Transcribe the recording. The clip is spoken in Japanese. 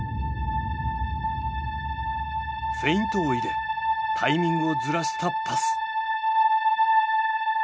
フェイントを入れタイミングをずらしたパス。